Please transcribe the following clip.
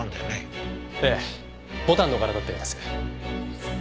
ええ牡丹の柄だったようです。